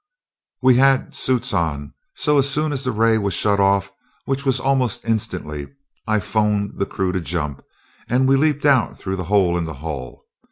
"We had suits on, so as soon as the ray was shut off, which was almost instantly, I phoned the crew to jump, and we leaped out through the hole in the hull.